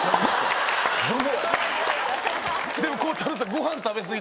でも孝太郎さん。